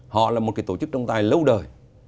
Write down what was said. họ là một tổ chức trọng tài lâu đời